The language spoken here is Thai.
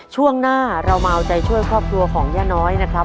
ช่วงหน้าเรามาเอาใจช่วยครอบครัวของย่าน้อยนะครับ